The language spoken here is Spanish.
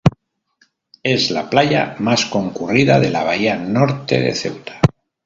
Es la playa más concurrida de la bahía Norte de Ceuta.